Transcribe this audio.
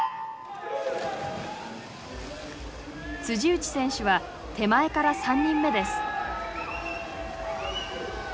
内選手は手前から３人目です。